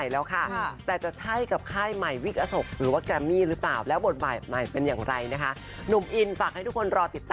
จ่ายตังค์ก็ยังเหลือคอยกินปี